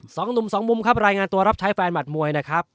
๒ตุม๒มุมครับรายงานตัวรับใช้แฟนหมัดมวยนะครับ